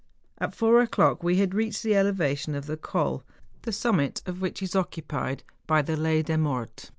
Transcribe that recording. At four o'clock we had reached the elevation of the Col, the summit of which is occupied by the Lac des ]\Iorts.